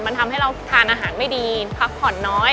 มันทำให้เราทานอาหารไม่ดีพักผ่อนน้อย